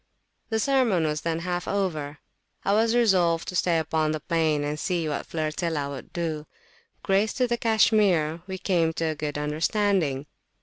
The sermon was then half over. I was resolved to stay upon the plain and see what Flirtilla would do. Grace to the cashmere, we came to a good understanding.